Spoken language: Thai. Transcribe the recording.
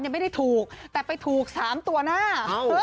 ไม่ได้ถูกแต่ไปถูก๓ตัวหน้า